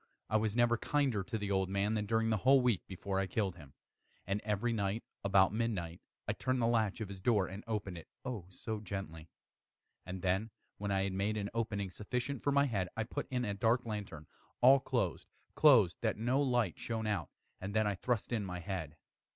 I was never kinder to the old man than during the whole week before I killed him. And every night, about midnight, I turned the latch of his door and opened it oh so gently! And then, when I had made an opening sufficient for my head, I put in a dark lantern, all closed, closed, that no light shone out, and then I thrust in my head.